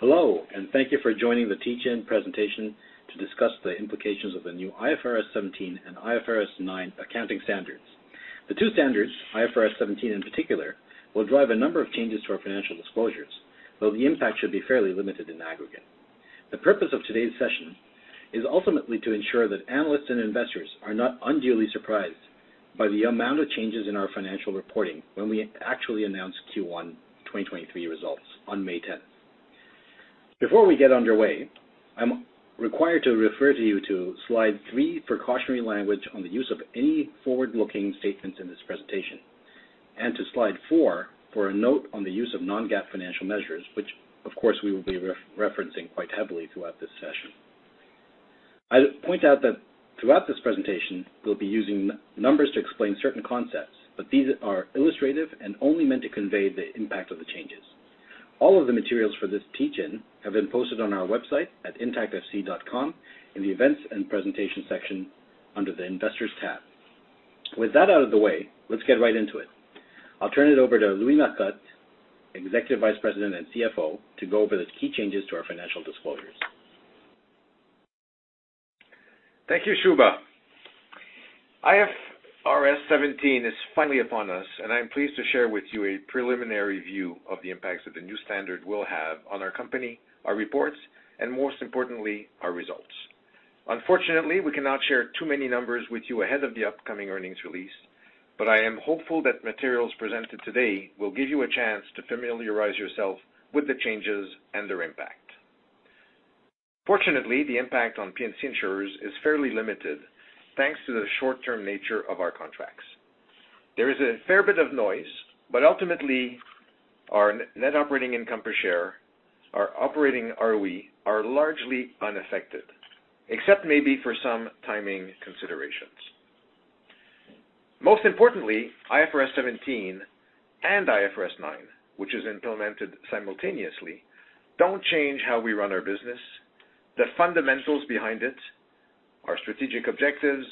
Hello, thank you for joining the teach-in presentation to discuss the implications of the new IFRS 17 and IFRS 9 accounting standards. The two standards, IFRS 17 in particular, will drive a number of changes to our financial disclosures, though the impact should be fairly limited in aggregate. The purpose of today's session is ultimately to ensure that analysts and investors are not unduly surprised by the amount of changes in our financial reporting when we actually announce Q1 2023 results on May 10th. Before we get underway, I'm required to refer to you to slide three, precautionary language, on the use of any forward-looking statements in this presentation, and to slide four for a note on the use of non-GAAP financial measures, which of course, we will be referencing quite heavily throughout this session. I'd point out that throughout this presentation, we'll be using numbers to explain certain concepts, but these are illustrative and only meant to convey the impact of the changes. All of the materials for this teach-in have been posted on our website at intactfc.com in the Events and Presentation section under the Investors tab. With that out of the way, let's get right into it. I'll turn it over to Louis Marcotte, Executive Vice President and CFO, to go over the key changes to our financial disclosures. Thank you, Shubha. IFRS 17 is finally upon us. I'm pleased to share with you a preliminary view of the impacts that the new standard will have on our company, our reports, and most importantly, our results. Unfortunately, we cannot share too many numbers with you ahead of the upcoming earnings release. I am hopeful that materials presented today will give you a chance to familiarize yourself with the changes and their impact. Fortunately, the impact on P&C insurers is fairly limited, thanks to the short-term nature of our contracts. There is a fair bit of noise. Ultimately, our net operating income per share, our operating ROE, are largely unaffected, except maybe for some timing considerations. Most importantly, IFRS 17 and IFRS 9, which is implemented simultaneously, don't change how we run our business, the fundamentals behind it, our strategic objectives,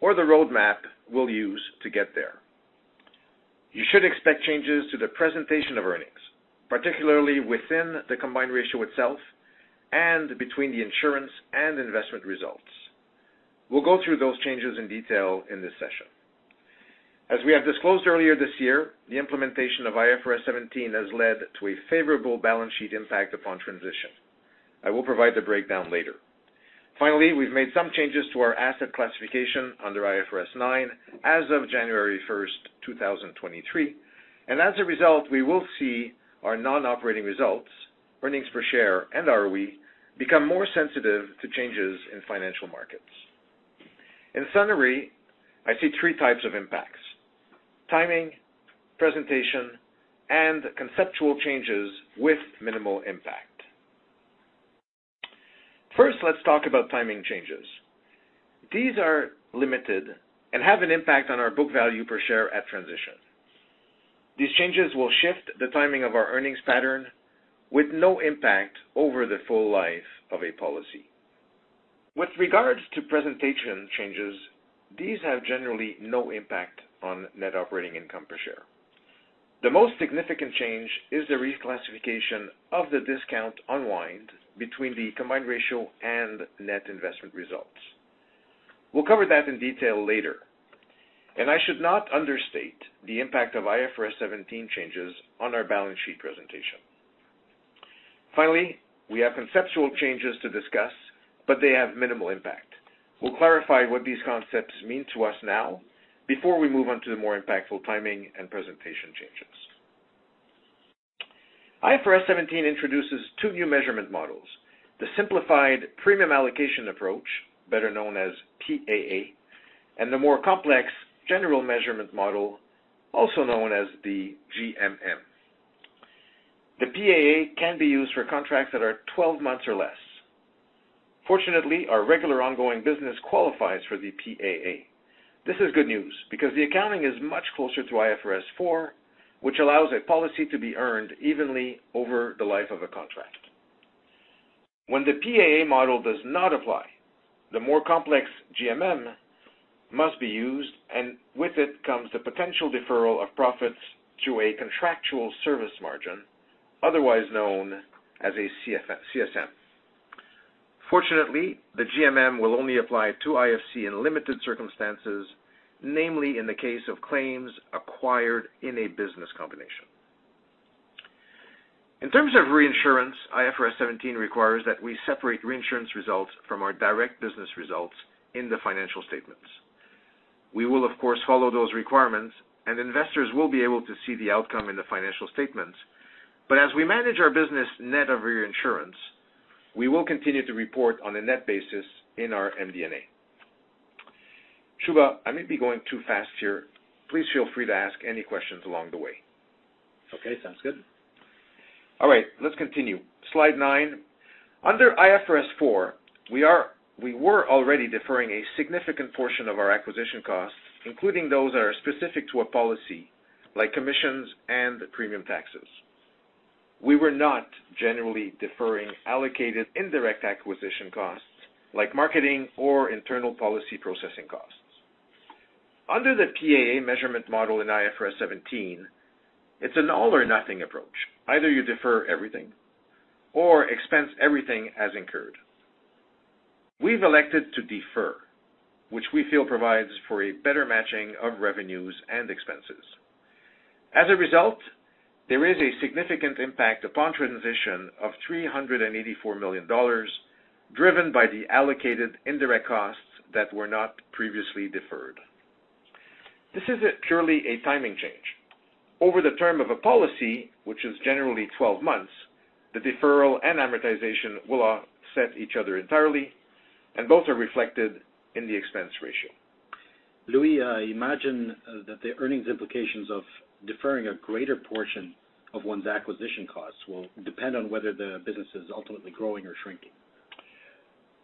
or the roadmap we'll use to get there. You should expect changes to the presentation of earnings, particularly within the combined ratio itself and between the insurance and investment results. We'll go through those changes in detail in this session. As we have disclosed earlier this year, the implementation of IFRS 17 has led to a favorable balance sheet impact upon transition. I will provide the breakdown later. Finally, we've made some changes to our asset classification under IFRS 9 as of January 1st, 2023, and as a result, we will see our non-operating results, earnings per share, and ROE become more sensitive to changes in financial markets. In summary, I see three types of impacts: timing, presentation, and conceptual changes with minimal impact. Let's talk about timing changes. These are limited and have an impact on our book value per share at transition. These changes will shift the timing of our earnings pattern with no impact over the full life of a policy. With regards to presentation changes, these have generally no impact on net operating income per share. The most significant change is the reclassification of the discount unwind between the combined ratio and net investment results. We'll cover that in detail later, and I should not understate the impact of IFRS 17 changes on our balance sheet presentation. We have conceptual changes to discuss, but they have minimal impact. We'll clarify what these concepts mean to us now before we move on to the more impactful timing and presentation changes. IFRS 17 introduces two new measurement models, the Simplified Premium Allocation Approach, better known as PAA, and the more complex General Measurement Model, also known as the GMM. The PAA can be used for contracts that are 12 months or less. Fortunately, our regular ongoing business qualifies for the PAA. This is good news because the accounting is much closer to IFRS 4, which allows a policy to be earned evenly over the life of a contract. When the PAA model does not apply, the more complex GMM must be used, and with it comes the potential deferral of profits to a Contractual Service Margin, otherwise known as a CSM. Fortunately, the GMM will only apply to IFC in limited circumstances, namely in the case of claims acquired in a business combination. In terms of reinsurance, IFRS 17 requires that we separate reinsurance results from our direct business results in the financial statements. We will, of course, follow those requirements, and investors will be able to see the outcome in the financial statements. As we manage our business net of reinsurance, we will continue to report on a net basis in our MD&A. Shubha, I may be going too fast here. Please feel free to ask any questions along the way. Okay, sounds good. Let's continue. Slide nine. Under IFRS 4, we were already deferring a significant portion of our acquisition costs, including those that are specific to a policy like commissions and premium taxes. We were not generally deferring allocated indirect acquisition costs, like marketing or internal policy processing costs. Under the PAA measurement model in IFRS 17, it's an all or nothing approach. Either you defer everything or expense everything as incurred. We've elected to defer, which we feel provides for a better matching of revenues and expenses. There is a significant impact upon transition of 384 million dollars, driven by the allocated indirect costs that were not previously deferred. This is purely a timing change. Over the term of a policy, which is generally 12 months, the deferral and amortization will offset each other entirely, and both are reflected in the expense ratio. Louis, I imagine that the earnings implications of deferring a greater portion of one's acquisition costs will depend on whether the business is ultimately growing or shrinking.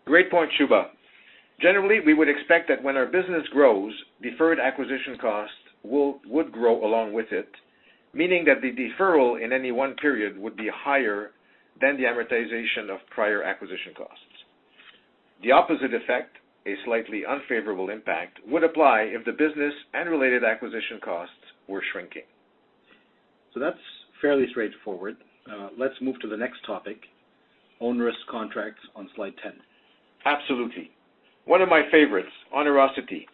Great point, Shubha. Generally, we would expect that when our business grows, deferred acquisition costs would grow along with it, meaning that the deferral in any one period would be higher than the amortization of prior acquisition costs. The opposite effect, a slightly unfavorable impact, would apply if the business and related acquisition costs were shrinking. That's fairly straightforward. Let's move to the next topic, Onerous Contracts on slide 10. Absolutely. One of my favorites, onerosity.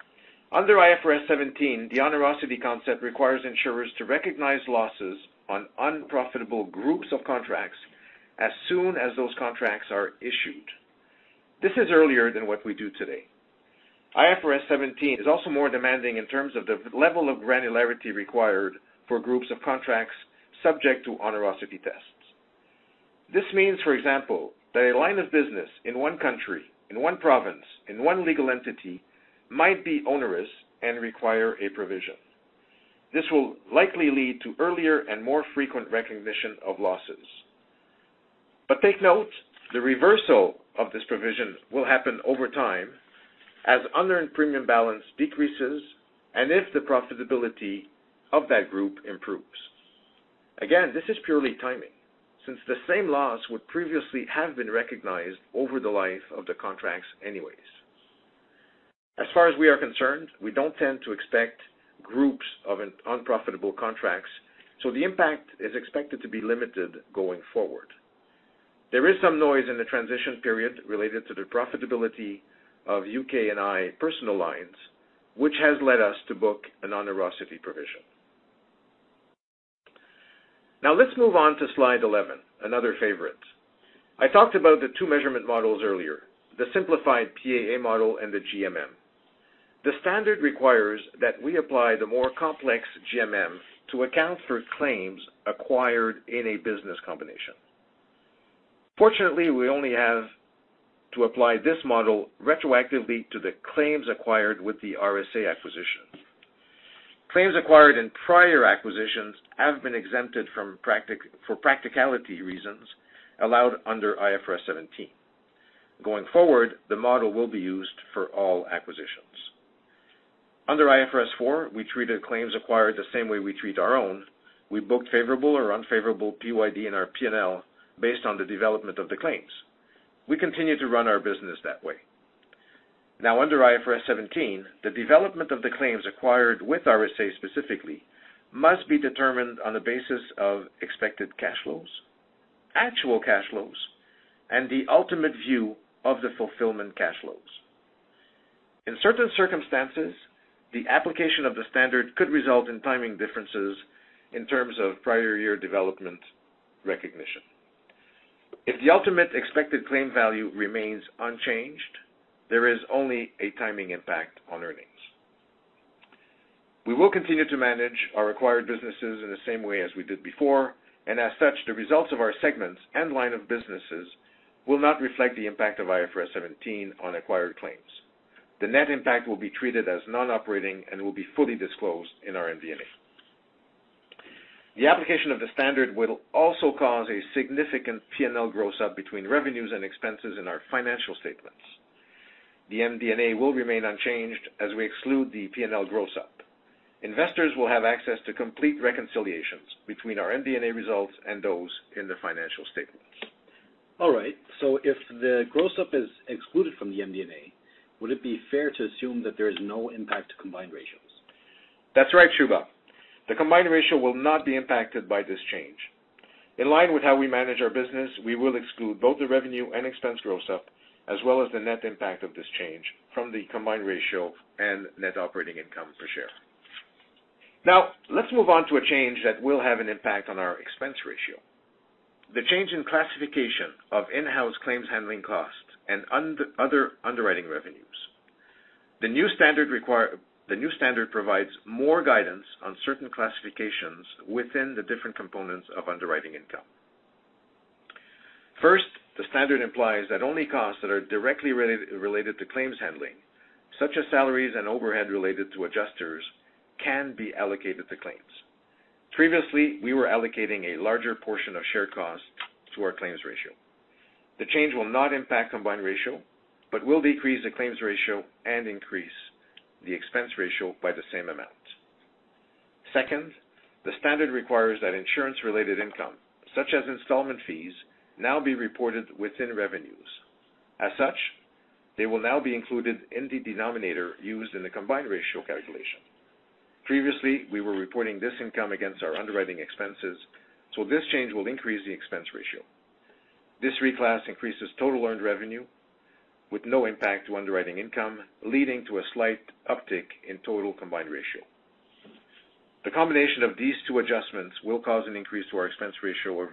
Under IFRS 17, the onerosity concept requires insurers to recognize losses on unprofitable groups of contracts as soon as those contracts are issued. This is earlier than what we do today. IFRS 17 is also more demanding in terms of the level of granularity required for groups of contracts subject to onerosity tests. This means, for example, that a line of business in one country, in one province, in one legal entity, might be onerous and require a provision. This will likely lead to earlier and more frequent recognition of losses. Take note, the reversal of this provision will happen over time as unearned premium balance decreases and if the profitability of that group improves. Again, this is purely timing, since the same loss would previously have been recognized over the life of the contracts anyways. As far as we are concerned, we don't tend to expect groups of an unprofitable contracts, so the impact is expected to be limited going forward. There is some noise in the transition period related to the profitability of UK&I personal lines, which has led us to book an onerosity provision. Let's move on to slide 11, another favorite. I talked about the two measurement models earlier, the simplified PAA model and the GMM. The standard requires that we apply the more complex GMM to account for claims acquired in a business combination. Fortunately, we only have to apply this model retroactively to the claims acquired with the RSA acquisition. Claims acquired in prior acquisitions have been exempted for practicality reasons allowed under IFRS 17. Going forward, the model will be used for all acquisitions. Under IFRS 4, we treated claims acquired the same way we treat our own. We booked favorable or unfavorable PYD in our P&L based on the development of the claims. We continue to run our business that way. Now, under IFRS 17, the development of the claims acquired with RSA specifically, must be determined on the basis of expected cash flows, actual cash flows, and the ultimate view of the fulfilment cash flows. In certain circumstances, the application of the standard could result in timing differences in terms of prior year development recognition. If the ultimate expected claim value remains unchanged, there is only a timing impact on earnings. We will continue to manage our acquired businesses in the same way as we did before, and as such, the results of our segments and line of businesses will not reflect the impact of IFRS 17 on acquired claims. The net impact will be treated as non-operating and will be fully disclosed in our MD&A. The application of the standard will also cause a significant P&L gross up between revenues and expenses in our financial statements. The MD&A will remain unchanged as we exclude the P&L gross up. Investors will have access to complete reconciliations between our MD&A results and those in the financial statements. All right, if the gross up is excluded from the MD&A, would it be fair to assume that there is no impact to combined ratios? That's right, Shubha. The combined ratio will not be impacted by this change. In line with how we manage our business, we will exclude both the revenue and expense gross up, as well as the net impact of this change from the combined ratio and net operating income per share. Let's move on to a change that will have an impact on our expense ratio. The change in classification of in-house claims handling costs and other underwriting revenues. The new standard provides more guidance on certain classifications within the different components of underwriting income. First, the standard implies that only costs that are directly related to claims handling, such as salaries and overhead related to adjusters, can be allocated to claims. Previously, we were allocating a larger portion of shared costs to our claims ratio. The change will not impact combined ratio, will decrease the claims ratio and increase the expense ratio by the same amount. Second, the standard requires that insurance-related income, such as installment fees, now be reported within revenues. As such, they will now be included in the denominator used in the combined ratio calculation. Previously, we were reporting this income against our underwriting expenses, so this change will increase the expense ratio. This reclass increases total earned revenue with no impact to underwriting income, leading to a slight uptick in total combined ratio. The combination of these two adjustments will cause an increase to our expense ratio of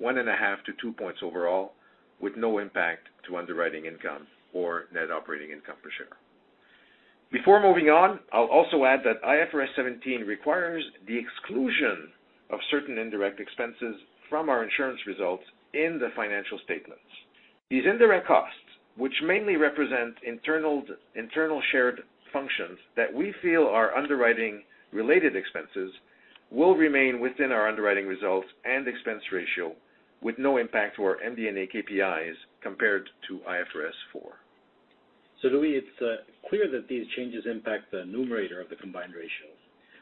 roughly 1.5-2 points overall, with no impact to underwriting income or net operating income per share. Before moving on, I'll also add that IFRS 17 requires the exclusion of certain indirect expenses from our insurance results in the financial statements. These indirect costs, which mainly represent internal shared functions that we feel are underwriting related expenses, will remain within our underwriting results and expense ratio, with no impact to our MD&A KPIs compared to IFRS 4. Louis, it's clear that these changes impact the numerator of the combined ratio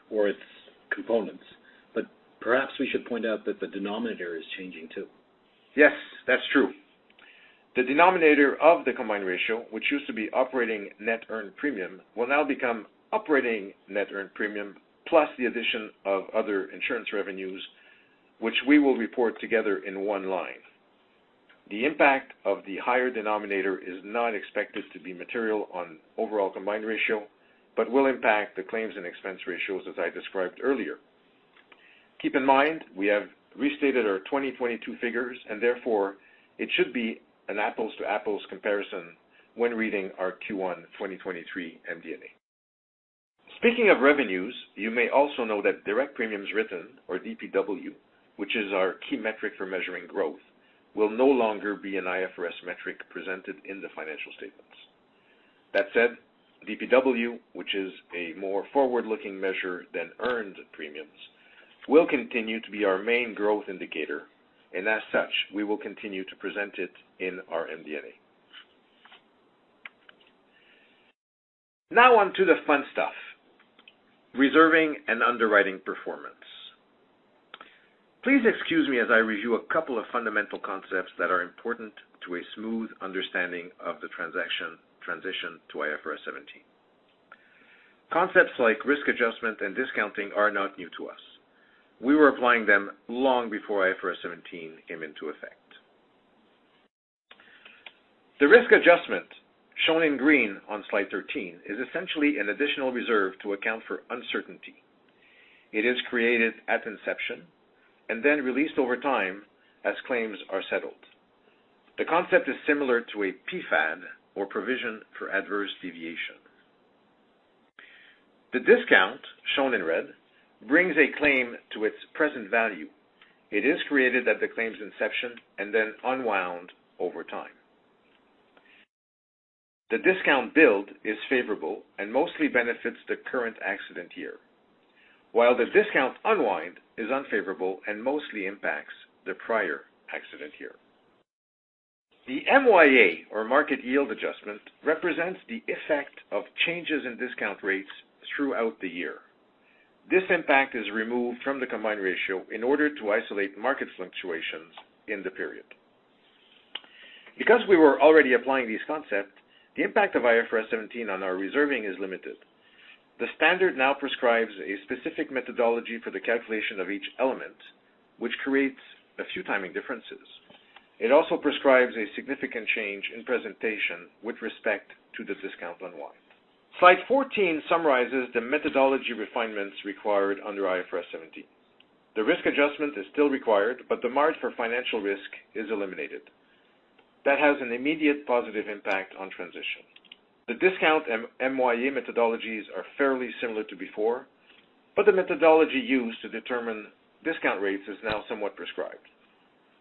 or its components, but perhaps we should point out that the denominator is changing, too. Yes, that's true. The denominator of the combined ratio, which used to be operating net earned premium, will now become operating net earned premium, plus the addition of other insurance revenues, which we will report together in one line. The impact of the higher denominator is not expected to be material on overall combined ratio, but will impact the claims and expense ratios, as I described earlier. Keep in mind, we have restated our 2022 figures, therefore it should be an apples-to-apples comparison when reading our Q1 2023 MD&A. Speaking of revenues, you may also know that direct premiums written, or DPW, which is our key metric for measuring growth, will no longer be an IFRS metric presented in the financial statements. That said, DPW, which is a more forward-looking measure than earned premiums, will continue to be our main growth indicator. As such, we will continue to present it in our MD&A. On to the fun stuff, reserving and underwriting performance. Please excuse me as I review a couple of fundamental concepts that are important to a smooth understanding of the transaction transition to IFRS 17. Concepts like risk adjustment and discounting are not new to us. We were applying them long before IFRS 17 came into effect. The risk adjustment, shown in green on slide 13, is essentially an additional reserve to account for uncertainty. It is created at inception. Then released over time as claims are settled. The concept is similar to a PFAD, or Provision for Adverse Deviation. The discount, shown in red, brings a claim to its present value. It is created at the claim's inception and then unwound over time. The discount build is favorable and mostly benefits the current accident year, while the discount unwind is unfavorable and mostly impacts the prior accident year. The MYA, or Market Yield Adjustment, represents the effect of changes in discount rates throughout the year. This impact is removed from the combined ratio in order to isolate market fluctuations in the period. Because we were already applying these concepts, the impact of IFRS 17 on our reserving is limited. The standard now prescribes a specific methodology for the calculation of each element, which creates a few timing differences. It also prescribes a significant change in presentation with respect to the discount unwind. Slide 14 summarizes the methodology refinements required under IFRS 17. The risk adjustment is still required, but the margin for financial risk is eliminated. That has an immediate positive impact on transition. The discount and MYA methodologies are fairly similar to before. The methodology used to determine discount rates is now somewhat prescribed.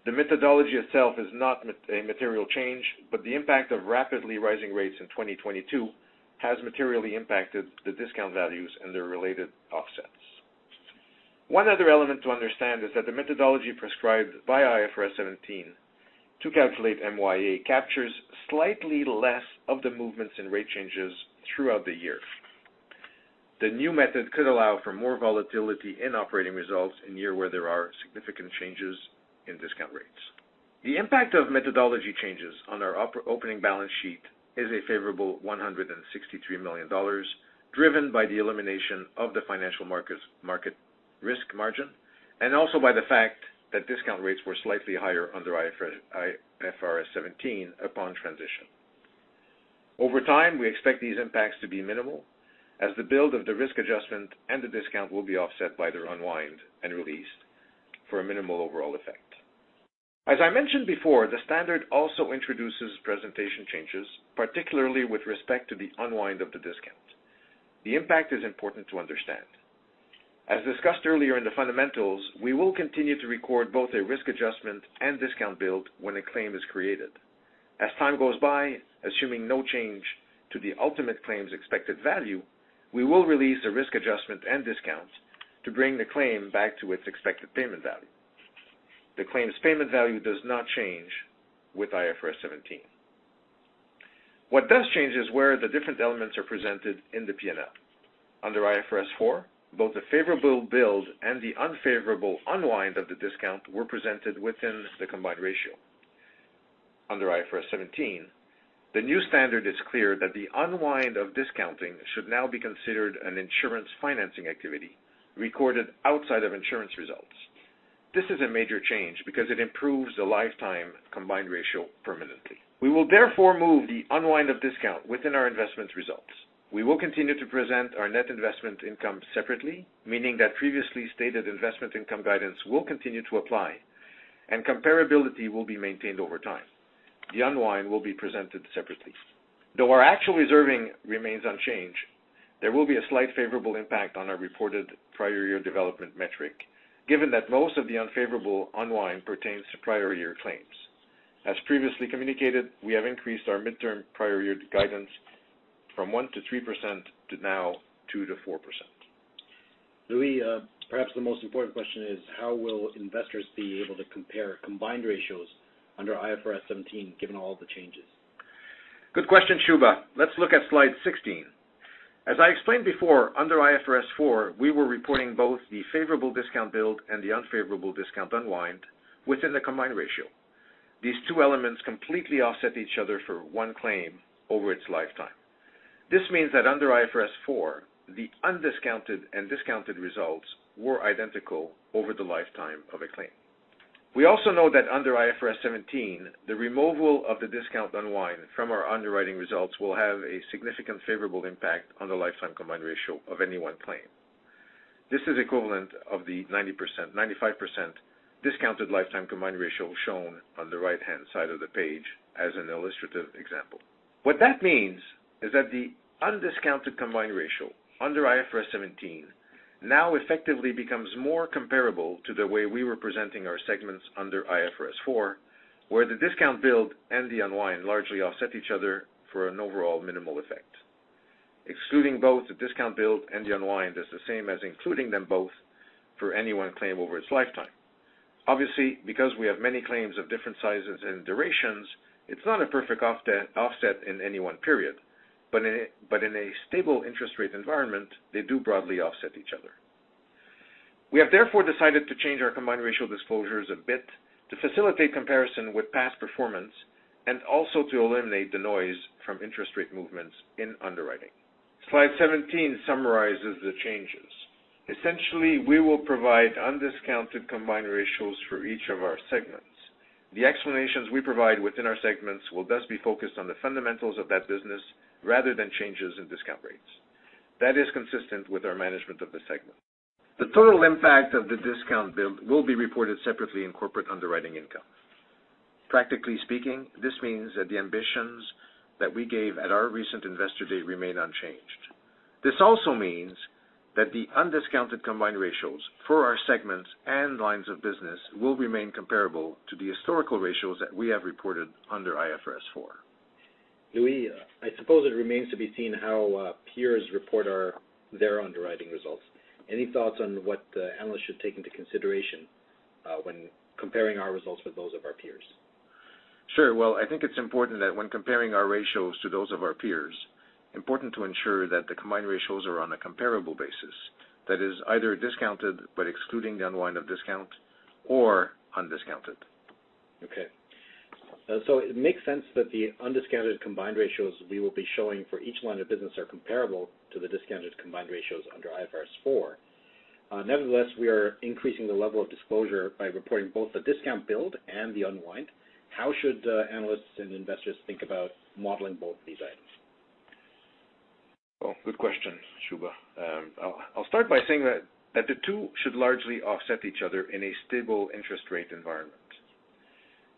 The methodology itself is not a material change. The impact of rapidly rising rates in 2022 has materially impacted the discount values and their related offsets. One other element to understand is that the methodology prescribed by IFRS 17 to calculate MYA captures slightly less of the movements in rate changes throughout the year. The new method could allow for more volatility in operating results in year where there are significant changes in discount rates. The impact of methodology changes on our opening balance sheet is a favorable 163 million dollars, driven by the elimination of the financial markets, market risk margin, and also by the fact that discount rates were slightly higher under IFRS 17 upon transition. Over time, we expect these impacts to be minimal, as the build of the risk adjustment and the discount will be offset by their unwind and release for a minimal overall effect. As I mentioned before, the standard also introduces presentation changes, particularly with respect to the unwind of the discount. The impact is important to understand. As discussed earlier in the fundamentals, we will continue to record both a risk adjustment and discount build when a claim is created. As time goes by, assuming no change to the ultimate claim's expected value, we will release a risk adjustment and discount to bring the claim back to its expected payment value. The claim's payment value does not change with IFRS 17. What does change is where the different elements are presented in the P&L. Under IFRS 4, both the favorable build and the unfavorable unwind of the discount were presented within the combined ratio. Under IFRS 17, the new standard is clear that the unwind of discounting should now be considered an insurance financing activity, recorded outside of insurance results. This is a major change because it improves the lifetime combined ratio permanently. We will therefore move the unwind of discount within our investment results. We will continue to present our net investment income separately, meaning that previously stated investment income guidance will continue to apply. Comparability will be maintained over time. The unwind will be presented separately. Though our actual reserving remains unchanged, there will be a slight favorable impact on our reported prior year development metric, given that most of the unfavorable unwind pertains to prior year claims. As previously communicated, we have increased our midterm prior year guidance from 1%-3% to now 2%-4%. Louis, perhaps the most important question is: how will investors be able to compare combined ratios under IFRS 17, given all the changes? Good question, Shubha. Let's look at slide 16. As I explained before, under IFRS 4, we were reporting both the favorable discount build and the unfavorable discount unwind within the combined ratio. These two elements completely offset each other for one claim over its lifetime. This means that under IFRS 4, the undiscounted and discounted results were identical over the lifetime of a claim. We also know that under IFRS 17, the removal of the discount unwind from our underwriting results will have a significant favorable impact on the lifetime combined ratio of any one claim. This is equivalent of the 90%, 95% discounted lifetime combined ratio shown on the right-hand side of the page as an illustrative example. What that means is that the undiscounted combined ratio under IFRS 17 now effectively becomes more comparable to the way we were presenting our segments under IFRS 4, where the discount build and the unwind largely offset each other for an overall minimal effect. Excluding both the discount build and the unwind is the same as including them both for any one claim over its lifetime. Obviously, because we have many claims of different sizes and durations, it's not a perfect offset in any one period, but in a stable interest rate environment, they do broadly offset each other. We have therefore decided to change our combined ratio disclosures a bit to facilitate comparison with past performance and also to eliminate the noise from interest rate movements in underwriting. Slide 17 summarizes the changes. Essentially, we will provide undiscounted combined ratios for each of our segments. The explanations we provide within our segments will thus be focused on the fundamentals of that business rather than changes in discount rates. That is consistent with our management of the segment. The total impact of the discount build will be reported separately in corporate underwriting income. Practically speaking, this means that the ambitions that we gave at our recent Investor Day remain unchanged. This also means that the undiscounted combined ratios for our segments and lines of business will remain comparable to the historical ratios that we have reported under IFRS 4. Louis, I suppose it remains to be seen how peers report our, their underwriting results. Any thoughts on what analysts should take into consideration when comparing our results with those of our peers? Sure. Well, I think it's important that when comparing our ratios to those of our peers, important to ensure that the combined ratios are on a comparable basis. That is, either discounted but excluding the unwind of discount or undiscounted. Okay. It makes sense that the undiscounted combined ratios we will be showing for each line of business are comparable to the discounted combined ratios under IFRS 4. Nevertheless, we are increasing the level of disclosure by reporting both the discount build and the unwind. How should analysts and investors think about modeling both of these items? Well, good question, Shubha. I'll start by saying that the two should largely offset each other in a stable interest rate environment.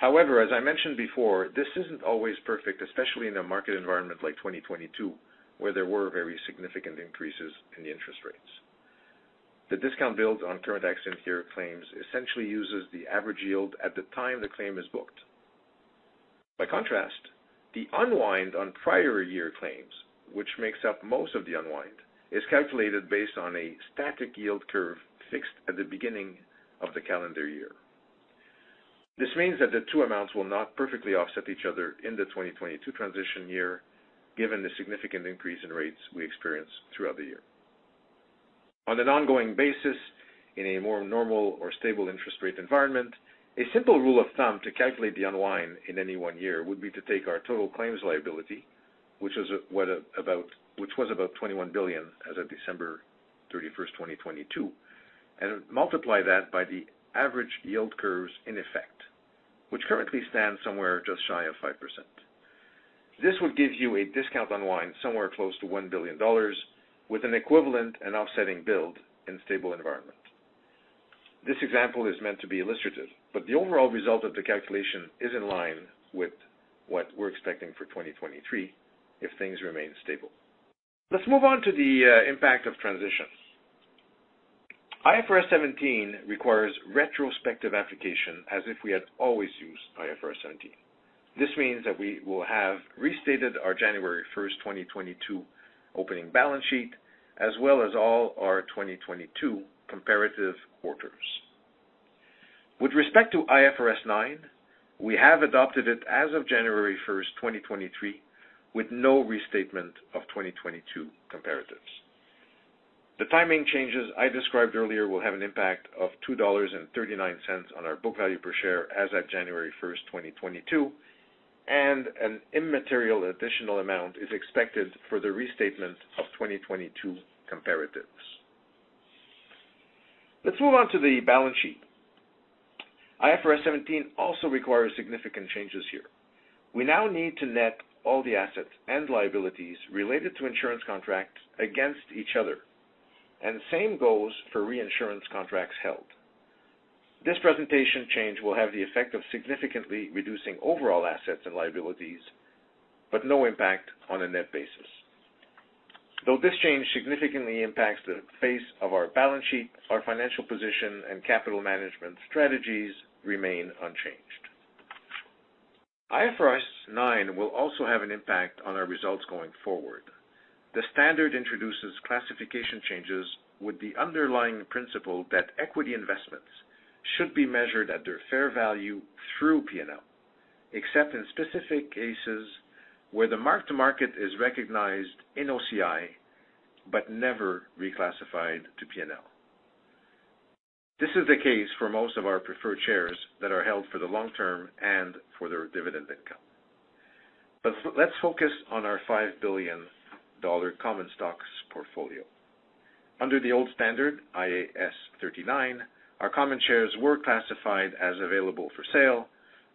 As I mentioned before, this isn't always perfect, especially in a market environment like 2022, where there were very significant increases in the interest rates. The discount build on current accident here claims essentially uses the average yield at the time the claim is booked. By contrast, the unwind on prior year claims, which makes up most of the unwind, is calculated based on a static yield curve fixed at the beginning of the calendar year. This means that the two amounts will not perfectly offset each other in the 2022 transition year, given the significant increase in rates we experienced throughout the year. On an ongoing basis, in a more normal or stable interest rate environment, a simple rule of thumb to calculate the unwind in any one year would be to take our total claims liability, which was about 21 billion as of December 31st, 2022, and multiply that by the average yield curves in effect, which currently stands somewhere just shy of 5%. This would give you a discount unwind somewhere close to 1 billion dollars, with an equivalent and offsetting build in a stable environment. This example is meant to be illustrative, but the overall result of the calculation is in line with what we're expecting for 2023, if things remain stable. Let's move on to the impact of transition. IFRS 17 requires retrospective application as if we had always used IFRS 17. This means that we will have restated our January 1st, 2022 opening balance sheet, as well as all our 2022 comparative quarters. With respect to IFRS 9, we have adopted it as of January 1st, 2023, with no restatement of 2022 comparatives. The timing changes I described earlier will have an impact of 2.39 dollars on our book value per share as of January 1st, 2022, and an immaterial additional amount is expected for the restatement of 2022 comparatives. Let's move on to the balance sheet. IFRS 17 also requires significant changes here. We now need to net all the assets and liabilities related to insurance contracts against each other, and same goes for reinsurance contracts held. This presentation change will have the effect of significantly reducing overall assets and liabilities, but no impact on a net basis. Though this change significantly impacts the face of our balance sheet, our financial position and capital management strategies remain unchanged. IFRS 9 will also have an impact on our results going forward. The standard introduces classification changes with the underlying principle that equity investments should be measured at their fair value through P&L, except in specific cases where the mark-to-market is recognized in OCI, but never reclassified to P&L. This is the case for most of our preferred shares that are held for the long term and for their dividend income. Let's focus on our 5 billion dollar common stocks portfolio. Under the old standard, IAS 39, our common shares were classified as available for sale,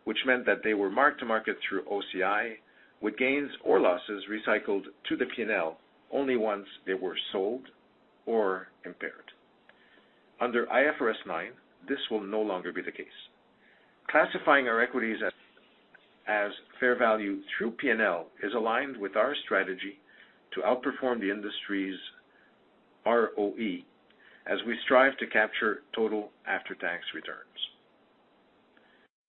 which meant that they were mark-to-market through OCI, with gains or losses recycled to the P&L only once they were sold or impaired. Under IFRS 9, this will no longer be the case. Classifying our equities as fair value through P&L is aligned with our strategy to outperform the industry's ROE as we strive to capture total after-tax returns.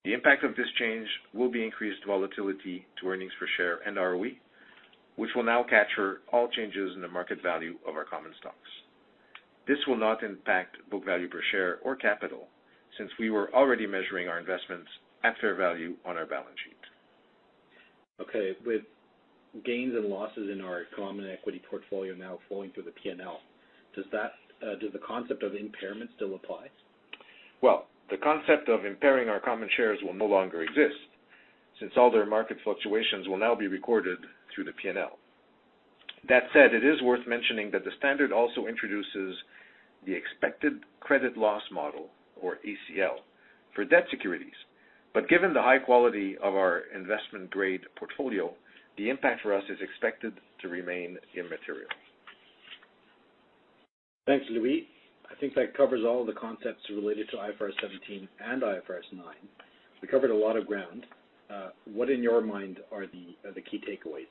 The impact of this change will be increased volatility to earnings per share and ROE, which will now capture all changes in the market value of our common stocks. This will not impact book value per share or capital, since we were already measuring our investments at fair value on our balance sheet. Okay, with gains and losses in our common equity portfolio now flowing through the P&L, does the concept of impairment still apply? The concept of impairing our common shares will no longer exist, since all their market fluctuations will now be recorded through the P&L. That said, it is worth mentioning that the standard also introduces the expected credit loss model, or ACL, for debt securities. Given the high quality of our investment-grade portfolio, the impact for us is expected to remain immaterial. Thanks, Louis. I think that covers all the concepts related to IFRS 17 and IFRS 9. We covered a lot of ground. What in your mind are the key takeaways?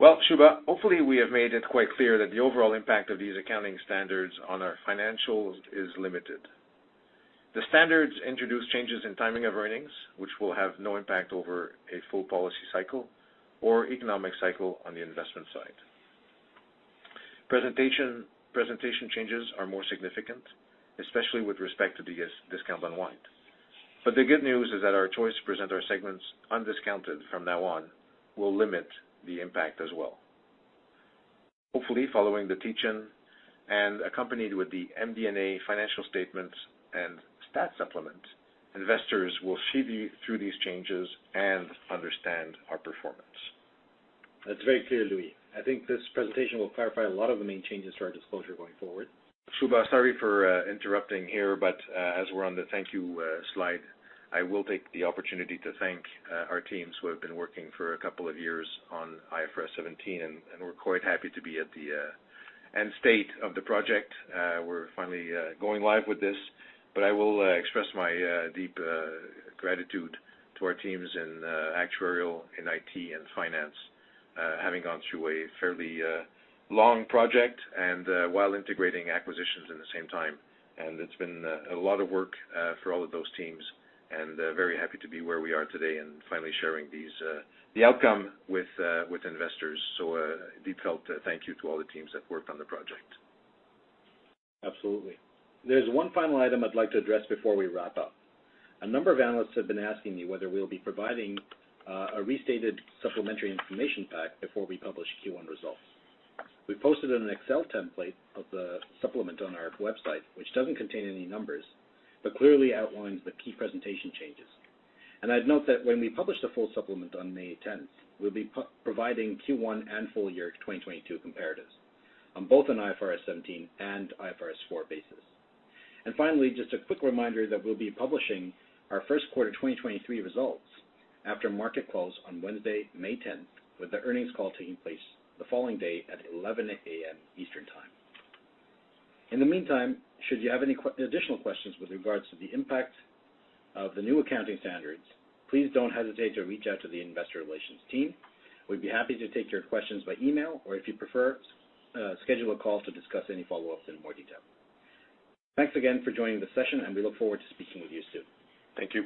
Shubha, hopefully we have made it quite clear that the overall impact of these accounting standards on our financials is limited. The standards introduce changes in timing of earnings, which will have no impact over a full policy cycle or economic cycle on the investment side. Presentation changes are more significant, especially with respect to the discount unwind. The good news is that our choice to present our segments undiscounted from now on will limit the impact as well. Hopefully, following the teach-in and accompanied with the MD&A financial statement and stat supplement, investors will see through these changes and understand our performance. That's very clear, Louis. I think this presentation will clarify a lot of the main changes to our disclosure going forward. Shubha, sorry for interrupting here, as we're on the thank you slide, I will take the opportunity to thank our teams who have been working for a couple of years on IFRS 17, and we're quite happy to be at the end state of the project. We're finally going live with this, but I will express my deep gratitude to our teams in actuarial, in IT, and finance, having gone through a fairly long project and while integrating acquisitions at the same time. It's been a lot of work for all of those teams, and very happy to be where we are today and finally sharing these the outcome with investors. A deep felt thank you to all the teams that worked on the project. Absolutely. There's one final item I'd like to address before we wrap up. A number of analysts have been asking me whether we'll be providing a restated supplementary information pack before we publish Q1 results. We posted an Excel template of the supplement on our website, which doesn't contain any numbers, but clearly outlines the key presentation changes. I'd note that when we publish the full supplement on May 10th, we'll be providing Q1 and full year 2022 comparatives on both an IFRS 17 and IFRS 4 basis. And finally, just a quick reminder that we'll be publishing our first quarter 2023 results after market close on Wednesday, May 10th, with the earnings call taking place the following day at 11:00 A.M. Eastern Time. In the meantime, should you have any. additional questions with regards to the impact of the new accounting standards, please don't hesitate to reach out to the Investor Relations team. We'd be happy to take your questions by email, or if you prefer, schedule a call to discuss any follow-ups in more detail. Thanks again for joining the session, and we look forward to speaking with you soon. Thank you.